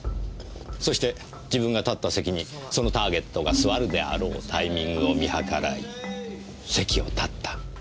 そして自分が立った席にそのターゲットが座るであろうタイミングを見計らい席を立った。